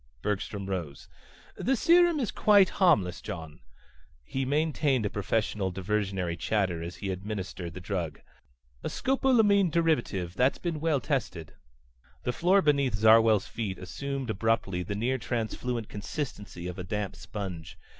Bergstrom rose. "The serum is quite harmless, John." He maintained a professional diversionary chatter as he administered the drug. "A scopolamine derivative that's been well tested." The floor beneath Zarwell's feet assumed abruptly the near transfluent consistency of a damp sponge.